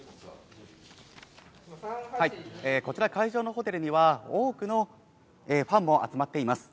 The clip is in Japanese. はい、こちら会場のホテルには多くのファンも集まっています。